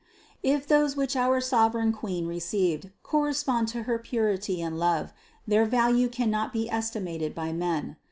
653. If those which our sovereign Queen received, correspond to her purity and love, their value cannot be estimated by men.